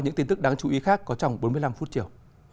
những tin tức đáng chú ý khác có trong bốn mươi năm phút chiều